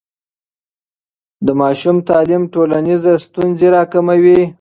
د ماشوم تعلیم ټولنیزې ستونزې راکموي.